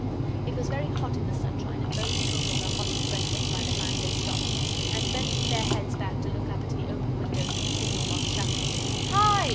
It was very hot in the sunshine, and both children were hot and breathless by the time they stopped, and bending their heads back to look up at the open windows of the signal box, shouted "Hi!"